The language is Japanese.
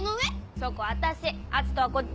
そこ私篤斗はこっち！